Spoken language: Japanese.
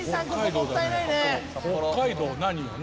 北海道何？